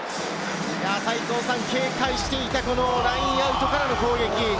警戒していたラインアウトからの攻撃。